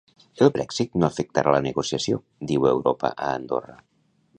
"El Brèxit no afectarà la negociació", diu Europa a Andorra.